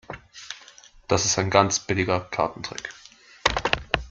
Das ist ein ganz billiger Kartentrick.